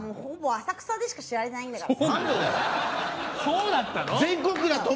ほぼ浅草でしか知られてないんだから。